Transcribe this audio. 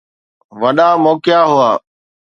وڏا موقعا هئا.